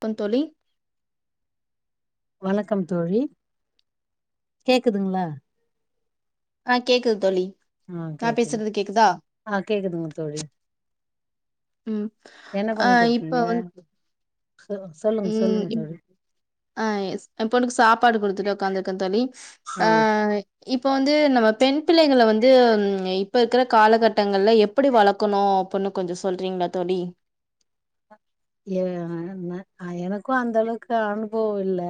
[unintelligible] தோழி வணக்கம் தோழி கேக்குதுங்களா ஆ கேக்குது தோழி ஆ நா கேக்குது பேசுறது கேக்குதா ஆ கேக்குதுங்க தோழி ம் என்ன ஆ பண்ணிட்டு இப்ப இருக்கீங்க வந்து சொல்லுங்க சொல்லுங்க சொல்லுங்க தோழி ஆ எஸ் ஏ பொண்ணுக்கு சாப்பாடு குடுத்துட்டு உக்காந்திருக்க தோழி ஆ ஓ இப்ப வந்து நம்ம பெண் பிள்ளைங்கள வந்து இப்ப இருக்கிற காலகட்டங்கள்ல எப் எப்டி வளக்கணு அப்புன்னு கொஞ்சோ சொல்றீங்களா தோழி ஏ அ ம எனக்கு அந்த அனுபோ இல்ல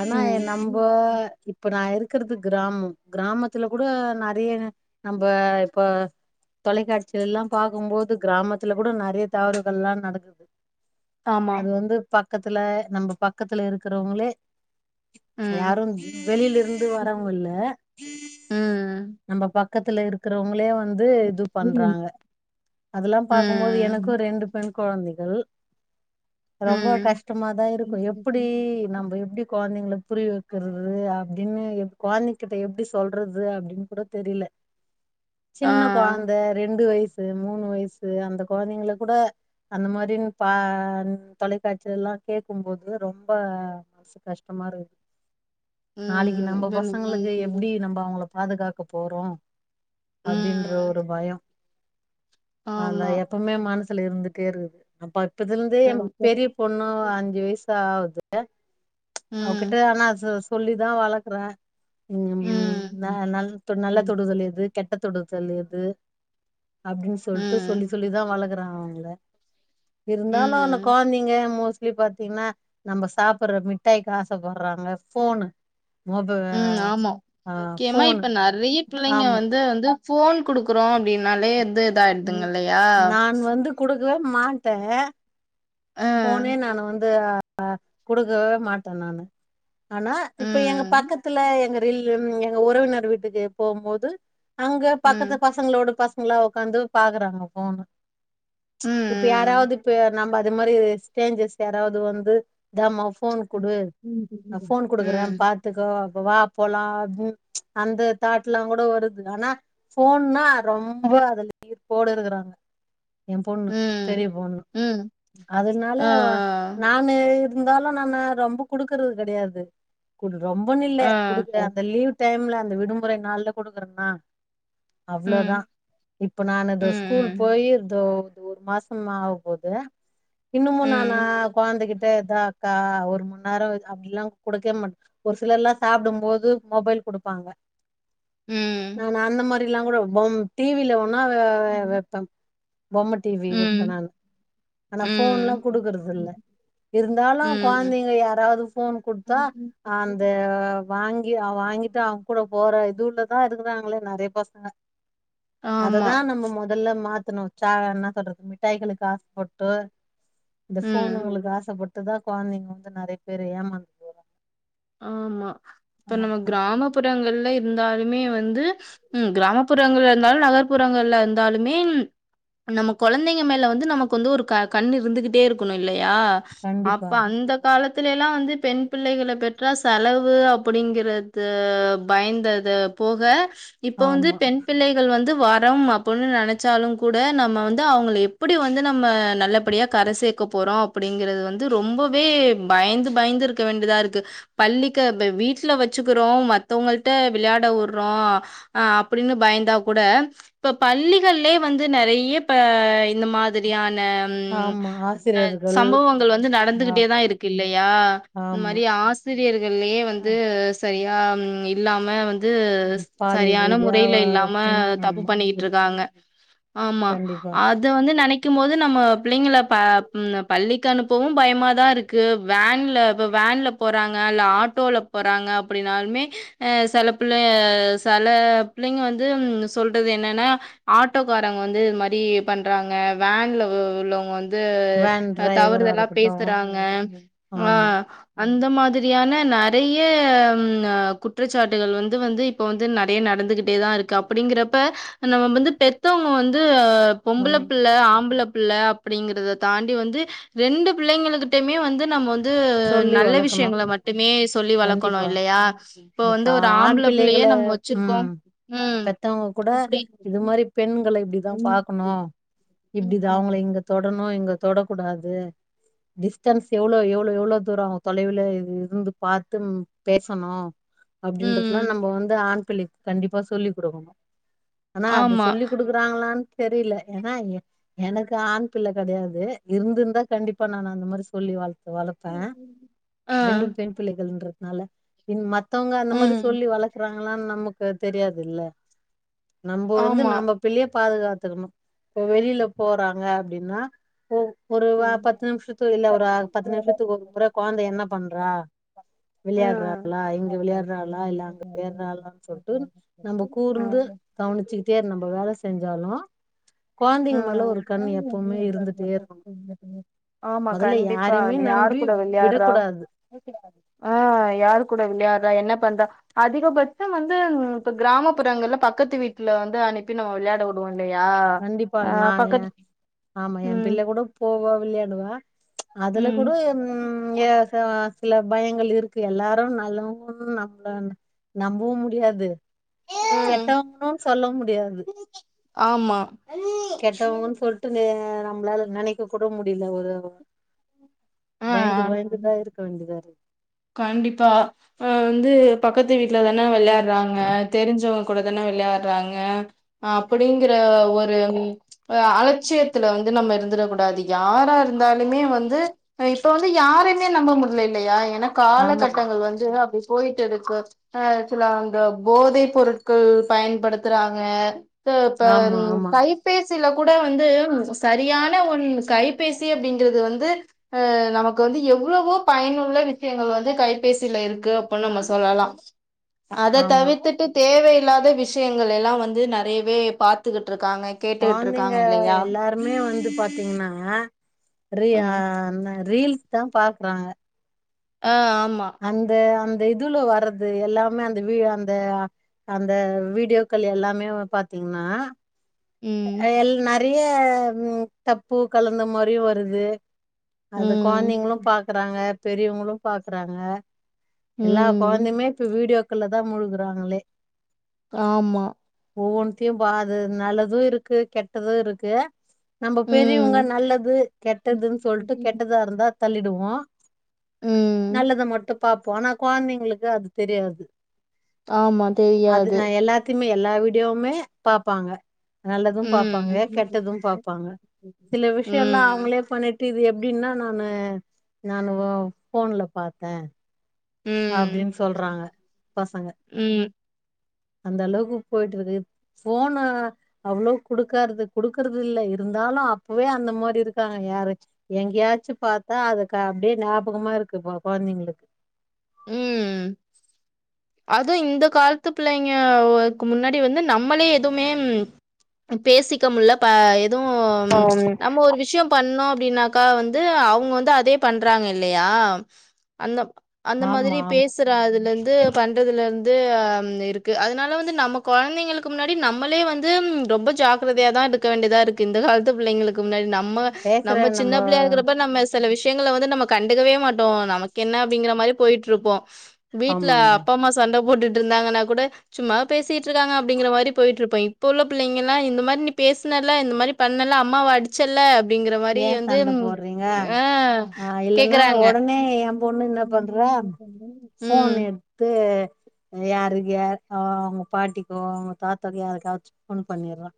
ஆனா ம் நம்ப இப்ப நா இருக்கறது கிராமம் கிராமத்துல கூட நெறையா நம்ம இப்ப தொலைக்காட்சிகள் எல்லா பாக்கும்போது கிராமத்துல கூட நெறையா தவறுகள் எல்லா நடக்குது ஆமா அது வந்து பக்கத்துல நம்ம பக்கத்துல இருக்கிறவங்ளே ம் யாரு வெளியில இருந்து வாரவங்க இல்ல ம் நம்ம பக்கத்துல இருக் இருக்கிறவங்களே வந்து இது ம் பண்றாங்க அதெல்லா பாக்கும்போது எனக்கு ரெண்டு பெண் கொழந்தைகள் ரொம்ப ம் கஷ்டமாதா இருக்கு எப்டி நம்ம எப்டிப் கொழந்தைங்களுக் புரிவக்கிறது அப்டின்னு எப் கொழந்தை கிட்ட எப்டி சொல்றது அப்டின்னு கூட தெரில ஆ சின்ன கொழந்த ரெண்டு வயஸ் சு மூணு வயசு அந்த கொழந்தைங்கள கூட அந்த மாரின் பா தொலைக்காட்சிகள்லா கேக்கும்போது ரொம்ப மனசுக்கஷ்டமா இருக்குது நாளைக்கி ம் நம்ம இவன் பசங்களுக்கு ம் எப்டி நம்ம அவங்கள பாதுகாக்க போறோ அப்டின்ற ம் ஒரு பயொ அந்த ஆமா எப் பவுமே மனசுல இருந்துட்டே இருக்குது அப்ப அப்பத்துல இருந்தே எ பெரியப் பொண்ணு அஞ்சு வய்ஸ் ஆவுது அவகிட்ட ம் ஆனா சொ சொல்லிதா வளக்குற ம் ந ம் நல் ம் நல்லதொடுதல் எது கெட்ட ம் தொடுதல் எது அப்டின் சொல்ட்டு சொல்லி ம் சொல்லிதா வளக்குற அவங்கள இருந்தாலு அந்த ம் கொழந்தைங்க மோஸ் லி பாத்தினா நம்ப சாப்புற மிட்டாய்க்கு ஆசைப்பட்றாங்க ஃபோனு ம் ஆமா முக்கியமா போனு இப்ப நறிய பிள்ளைங்க ஆமா வந்து வந்து ஃபோன் குடுக்குறோ அப்டின்னாலே அது இதாயிடுதுங்க உம் இல்லயா நான் வந்து குடுக்கவே மாட்டே ஆ ஃபோனே நான் வந்து அ குடுக்கவே மாட்ட நானு ஆனா இப்ப எங்க ம் பக்கத்துல எங்க ரில் எங்க உறவினர் வீட்டுக்கு போம்போது அங்க பக்கத்து ம் பசங்களோட பசங்களா உக்காந்து பாக்குறாங்க ஃபோனு இப்ப ம் யாராவது இப்ப நம்ப அது மாரி ஸ்ரேஞ்சர்ஸ் யாராவது வந்து இந்தம்மா ஃப் ஃபோன் குடு ம் நா ஃபோன் குடுக்குறே ம் பாத் த்துக்கோ அப்ப வா போலா அப்டி அந்த தாட்லா கூட வருது ஆனா ஃபோன்னா ரொம்ப அதுல ஈர்ப்போடு இருக்குறாங்க எ பொண்ணு ம் பெரிய பொண்ணு ம் அதனால ஆ நானு இருந்தாலு நானு ரொம்ப குடுக்கறது கடையாது குடு ரொம்பன் இல்ல ஆ குடுக்கு ஆ அந்த லீவ் டைம்ல அந்த விடுமுறை நாள்ல குடுக்குறனா ம் அவ்ளதா இப்ப நானு ம் தோ ஸ்கூல் ம் போயி தோ ஒரு மாசொ மேல ஆவபோது இன்னமு நானு ம் கொழந்தைகிட்ட இதா அக்கா ஒரு மணிநேரொ வெங் அப்படிலா கொடுக்கே மாட்ட ஒரு சிலர்லா சாப்டும் போது மொபைல் குடுப்பாங்க ம் நானு அந்த மாரிலா கூட பொம் டிவில வேனா வ வ வெப்பே பொம்ம டிவி வெப்ப ம் நானு ஆனா ஃபோன்லா ம் குடுக்றது இல்ல இருந்தாலு ம் கொழந்தைங்க யாராவது ஃபோன் குடுத்தா ஆ அந்த அ வாங்கி அ வாங்கிட்டு அவங்கூட போற இதுவுலதா இருக்குறாங்களே நறிய பசங்க ஆமா அததா நம்ம மொதல்ல மாத்தணு சா என்னா சொல்றது மிட்டாய்களுக்கு ஆச பட்டு இந்த ம் ஃபோன்ங்களுக்கு ஆசைப்பட்டுதா கொழந்தைங்க வந்து நறிய பேர் ஏமாந்து போறாங்க ஆமா ஆ இப்ப நம்ம ஆ, கிராமப்புறங்கள்ல இருந்தாலுமே வந்து ம் கிராமப்புறங்கள்ல இருந்தாலு நகர்ப்புறங்கள்ல இருந்தாலுமே நம்ம கொழந்தைங்க மேல வந்து நமக்கு வந்து ஒரு க கண் இருந்துகிட்டே இருக்கணு இல்லயா கண்டிப்பா அப்ப அந்த காலத்துலைலா வந்து பெண் பிள்ளைகள பெற் றா செலவு அப்டிங்கறது பயந்தது போக இப்ப வந்து ஆமா பெண் பிள்ளைகள் வந்து வரம் அப் பொண்ணு நெனச்சாலுங்கூட நம்ம வந்து அவங்கள எப்படி வந்து நம்ம நல்லபடியாக கரை சேர்க்க போறோ அப் அப்டிங்குறது வந்து ரொம்பவே பயந்து பயந்து இருக்க வேண்டிதா இருக்கு பள்ளிக்கு ப வீட்ல வச்சுக்கிறோ மத்தவங்கள்ட்ட விளயாட உடுறோ ஆ அப்டின்னு பயந்தா கூட இப்ப பள்ளிகள்லயே வந்து நறைய இப்ப இந்த மாதிரியான ம் ஆமா ஆசிரியர்கள் சம்பவங்கள் வந்து ஆ நடந்துகிட்டே தா இருக்கு இல்லையா இந்த ஆமா மாரி ஆ சிரியர்கள்லேயே ஆ, வந்து செரியா இல்லாம வந் து பாலியல் சரியான ரீதியா முறையில இல்லாம வளர்த்தும். தப்பு ஆமா பண்ணிட் ருக்காங்க ஆமா கண்டிப்பா அத் த வந்து நெனைக்கும் போது நம்ம பிள்ளைங்கள ம் பள்ளிக்கு அனுப்பவு பயமாதா இருக்கு க்கு வேன்ல இப்ப வேன்ல் போகறாங்க இல்ல ஆட்டோவுல போறாங்க அப்டின்னாலுமே அ செல புள்ள செல புள்ளைங்க வந்து சொல்றது என்னன்னா ஆட்டோக்காரங்க வந்து இது மாரி பண்றாங்க வேன்ல உள்ளவங்க வந் து வேன் அ டிரைவரா தவறுதல்லா இருக்கட்டு பேசுறாங்க ஆ ஆமா அந்த மாரியான நறைய ம் குற்றச்சாட்டுகள் வந்து வந்து இப்ப வந்து நறைய நடந்துகிட்டே தா இருக்கு அப்டிங்குறப்ப நம்ம வந்து பெத்தவங்க வந்து பொம்பள நம் புள்ள ஆம்பள புள்ள அப்டிங்கறத தாண்டி வந்து ரெண்டு பிள்ளைங்களுகிட்டமே வந்து நம்ம வந்து சொல்லி நல்ல வளக்கணு விஷ்யங்கள மட்டுமே சொல்லி வளக்கணு கண்டிப்பா இல்லயா இப்போ இப்ப வந்து ஒரு ஆண் ஆம்புள புள்ளையே பிள்ளைகள நம்ம வச்சிருக்கோ ம் பெத்தவங்க கூட இது மாரி பெண்களை இப்டிதா பாக்கணு ம், இப்பிடிதா அவுங்கள இங்க தொடணு இங்க தொடக்கூடாது டிஸ்டன்ஸ் எவ்ளோ எவ் ளோ எவ்ளோ தூரோ அவுங்க தொலைவுலயிருந்து பாத்து ம் பேசணு அப்டின்றதெல்லா ம். நம்ம வந்து ஆண் பிள்ளைக்கு கண்டிப்பா சொல்லிக் குடுக்கணு ஆனா அது ஆமா. சொல்லி் குடுக்கற குடுக்கறாங்களான்னு தெரில ஏனா எ எனக்கு ஆண் பிள்ளை கெடையாது இருந்துருந்தா கண்டிப்பா நானு அந்த மாரி சொல்லி வாளப் பு வளர்ப்பே ஆ. ரெண்டும் பெண் பிள்ளைகள்ன்றதுனால பெண் ம மத்தவங்க அந்த மாரி ம். சொல்லி வளக்குறாங்களான்னு நமக்கு தெரியாதுல்ல நம்போ வந்து ஆமா. நம்ம பிள்ளே பாதுகாத்துக்கணு இப்ப வெளியில போறாங்க அப்டின்னா போவ் ஒரு வா பத்து ம் நிமிஷத்துல இல்ல ஒரு அர பத்து நிமிஷத்துக்கு ஒரு முற கெழந்தை என்ன பண்றா ஆ விளையாட்றாப்ளா இங்க விளையாட்றாளா இல்ல அங்க விளையாட்றாளான்னு சொல்ட்டும் நம்ம கூர்ந்து கவனிச்சுக்கிட்டே நம்ம வேல செஞ்சாலு கொழந்தைங்க மேல ஒரு கண் எப்பவுமே இருந்துட்டே இருக்கணு மொதல்ல இப்ப யாரையுமே யாரு நம்பி கூட விளையாட்றா விடக்கூடாது ஆ யாரு கூட விளையாட்றா என்ன பண்றா அதிகபட்சம் வந்து இப்ப கிராமப்புறங்கள்ல பக்கத்து வீட்ல வந்து அனுப்பி நம்ம விளையாட விடுவோல்லையா கண்டிப்பா நாங்க ஆமா எ ம் பிள்ளக் கூட போவா விளையான்னுவா அதுல ம் கூட ம் எ சா சில பயங்கள் இருக்கு எல்லாரு நல்லவங்களு நம்புல நம்பவும் முடியாது ம், கெட்டவங்கலு சொல்லவு முடியாது ஆமா கெட்டவங்கன் சொல்ட்டு நே நம்ளால நெனைக்க கூட முடியில ஒரு ஆ ஆ பயந்து பயந்துதா இருக்க வேண்டியதாருக்கு கண்டிப்பா ஆ வந்து பக்கத்து வீட்ல தான விளையாட்றாங்க தெரிஞ்சவங் கூட தான விளையாட்றாங்க அப்டிங்குற ஒரு ம் அ அலட்சியத்துல வந்து நம்ம இருந்துடகூடாது யாரா இருந்தாலுமே வந்து அ இப்ப வந்து யாரையுமே நம்ப முடியல இல்லையா ஏன்னா ஆமாங்க காலகட்டங்கள் வந்து அப்டி போயிட்டுருக்கு ஆ சில அந்த போதை பொருட்கள் பயன்படுத்துறாங்க த்து இப்ப ஆமா ம் ஆமா கை பேசில கூட வந்து சரியான ஒன் கைபேசி அப்டிங்கறது வந்து ஆ நமக்கு வந்து எவ்ளோவோ பயனுள்ள விஷயங்கள் வந்து கைபேசியில இருக்கு அப்புன்னு நம்ம சொல்லலா அத ஆமா தவிர்த்துட்டு தேவையில்லாத விஷயங்கள் எல்லாம் வந்து நெறையவே பாத்துகிட்டு இருக்காங்க கேட்டுக்கிட்டு மார்னிங் இருக்காங்க எல்லாத் இல்லையா எல்லாமே வந்து பாத்தீங்கன்னாங்க ம் ஆஹ் ரீல்ஸ் தான் பாக்குறாங்க ஆஹ் ஆமா அந்த அந்த இதுல வர்றது எல்லாமே அந்த வீ அந்த அந்த வீடியோக்கள் எல்லாமே பாத்தீங்கன்னா ம் ஆஹ்‌ நெறைய தப்பு கலந்த மாதிரியும் வருது அந்த ம் கொழந்தைங்களும் பாக்குறாங்க பெரியவங்களும் பாக்குறாங்க எல்லா ம் கொழந்தையுமே இப்ப வீடியோக்கல்ல தான் மூழ்குறாங்களே ஆமா ஒவ்வொன்னுத்தையும் பாரு நல்லதும் இருக்கு கெட்டதும் இருக்கு நம்ம பெரியவங்க ம் நல்லது கெட்டதுன்னு சொல்லிட்டு கெட்டதா இருந்தா தள்ளிடுவோம் ம் நல்லது மட்டும் பாப்போம் ஆனா கொழந்தைங்களுக்கு அது தெரியாது ஆமா தெரியாது அதுங்க எல்லாத்தையுமே எல்லா வீடியோவுமே பாப்பாங்க நல்லதும் ம் பாப்பாங்க கெட்டதும் பாப்பாங்க சில விஷயம் எல்லாம் ம் அவங்களே பண்ணிட்டு இது எப்டின்னா நானு நானு‌ம் போன்ல பாத்தேன் அப்டின்னு சொல்றாங்க பசங்க உம் அந்த அளவுக்கு போயிட்டு இருக்கு போனு அவ்ளோ குடுக்காருது குடுக்குறது இல்ல இருந்தாலும் அப்பவே அந்த மாதிரி இருக்காங்க யாரு எங்கயாச்சும் பாத்தா அதுக்கு அப்டியே ஞாபகமா இருக்கு கொழந்தைங்களுக்கு உம் அதுவும் இந்த காலத்து பிள்ளைங்கக்கு‌ முன்னாடி வந்து நம்மளே எதுவுமே பேசிக்க மூல்ல ப எதுவும் ஆம் நம்ம ஒரு விஷயம் பண்ணோம் அப்டின்னாக்கா வந்து அவங்க வந்து அதே பண்றாங்க இல்லையா அந்த அந்த ஆமா மாதிரி ஆமா பேசுற அதுல இருந்து பண் ல இருந்து இருக்கு அதனால வந்து நம்ம கொழந்தைங்களுக்கு முன்னாடி நம்மளே வந்து ரொம்ப ஜாக்கிர கிரதைய தான் இருக்க வேண்டியதா இருக்கு இந்த காலத்து பிள்ளைங்களுக்கு முன்னாடி நம்ம நம்ம சின்ன பிள்ளையா இருக்கிறப்ப நம்ம சில விஷயங்களை வந்து நம்ம கண்டுக்கவே மாட்டோம் நமக்கு என்ன அப்டிங்கிற மாதிரி போயிட்டு இருப்போம் வீட்ல ஆமாங்க அப்பா அம்மா சண்டை போட்டுட்டு இருந்தாங்கன்னா கூட சும்மா பேசிட்டுருக்காங்க அப்டிங்கிற மாதிரி போயிட்டு இருப்போம் இப்ப உள்ள பிள்ளைங்கல்லாம் இந்த மாதிரி நீ பேசனல இந்த மாதிரி பண்ணல்ல அம்மா அடிச் செல்ல அப்டிங்கற மாதிரி ஏ வந்து சண்ட போடுறீங்க ஆஹ் ஆ இல்லன்னா கேக்குறாங்க ஒடனே ஏ பொண்ணு என்ன பண்றா ம். போன் எடுத்து யாருக்கு அவங்க பாட்டிக்கும் அவங்க தாத்தாக்கும் யாருக்காச்சும் போன் பண்ணிடுறா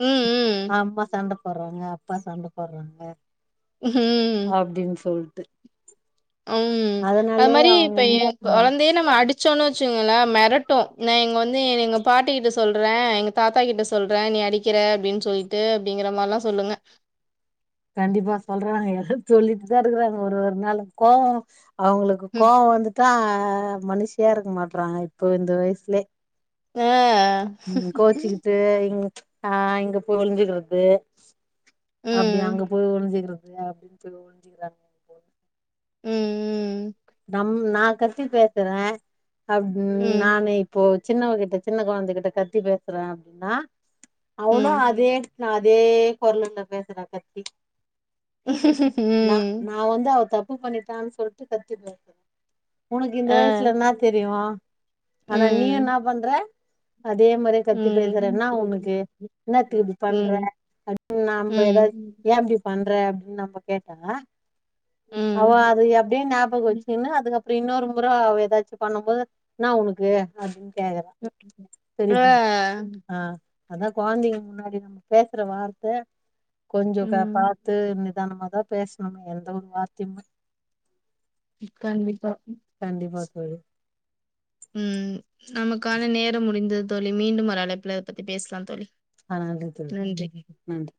ம், ம். அம்மா சண்டை போட்றாங்க அப்பா சண்டை போட்றாங்க உம் அப்டின்னு சொல்ட்டு ம் அது அதனாலயே மாதிரி அவங்க இப்ப ஆ கொழந்தையே நம் அடிச்சோன்னு வச்சுக்கோங்களேன் மெரட்டும் நான் எங்க வந்து நீங்க பாட்டிக்கிட்ட சொல்றேன் சொல்றேன் எங்க தாத்தா கிட்ட சொல்றேன் நீ அடிக்கிற அப்டின்னு சொல்லிட்டு அப்டிங்கிற மாறிலாம் சொல்லுங்க கண்டிப்பா சொல்றாங்க சொல்லிட்டு தான் இருக்கறாங்க ஒரு ஒரு நாளும் கோவம் அவங்களுக்கு ம். கோவம் வந்துட்டா மனுஷியா இருக்க மாட்டறாங்க இப்போ இந்த வயசுலயே ஆஹ் ம், கோச்சிக்கிட்டு இங் ஆ இங்க போய் ஒழிஞ்சிக்கிறது அப்டி ம். அங்க போய் ஒழிஞ்சிக்கிறது அப்டின்னு போய் ஒழிஞ்சிக்கிறாங்க ம், ம் நம் நா கத்தி பேசுறே அப் ம். ம். நானே இப்போ சின்னவ கிட்ட சின்ன கொழந்தைகிட்ட கத்தி பேசுற அப்டின்னா அவளு ம். அதே ல்ல அதே குரலுல பேசுறா கத்தி நா ம் நா வந்து அவ தப் பு பண்ணிட்டான்னு சொல்ட்டு கத்தி பேசுற உனக்கு இந்த ஆ. வயசுல என்னா தெரியு ஆனா நீ ம். என்னா பண்ற அதே மாரி கத்தி பேசுறே ம். என்னா உனக்கு என்னத்துக்கு இப்படி பண்ற ம். அப்டினு நாம்ப எதாது ம். ஏ இப்டி பண்ற அப்டின்னு நம்ப கேட்டா அவ ம். அது எப் ப கோச்சிகின்னு அதுக்கப்பறோ இன்னொரு முறை அவ ஏதாச்சு பண்ணும்போது என்னா உனக்கு அப்டின்னு கேக்கறா பெரியப்பொண்ணு அஹ் ஆ அதா கொழந்தைங்க முன்னாடி நம்ம பேசுற வார்த்த கொஞ்சோ க ம். பாத்து நிதானமாதா பேசணுமே எந்த ஒரு வார்த்தையுமே ம், கண்டிப்பா கண்டிப்பா தோழி ம் நமக்கான நேரம் முடிந்தது தோழி மீண்டும் ஒரு அழைப்புல இதப் பத்தி பேசலா தோழி ஆ நன்றி தோழி நன்றி. நன்றி